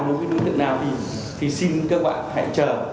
đối với đối tượng nào thì xin các bạn hẹn chờ